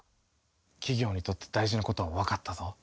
企業にとって大事なことはわかったぞ。